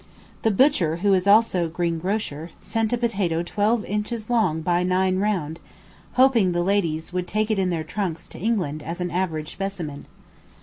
The butcher, who is also greengrocer, sent a potato twelve inches long by nine round, "hoping the ladies would take it in their trunks to England as an average specimen."